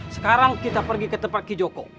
sekarang kita pergi ke tempat kijoko